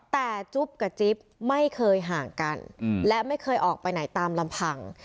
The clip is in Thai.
แต่จุ๊บกับจิ๊บไม่เคยห่างกันและไม่เคยออกไปไหนตามลำพัง